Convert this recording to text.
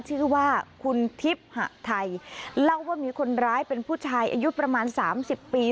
ชื่อว่าคุณทิพย์หะไทยเล่าว่ามีคนร้ายเป็นผู้ชายอายุประมาณสามสิบปี